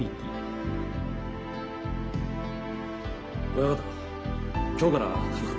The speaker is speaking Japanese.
親方今日から軽く。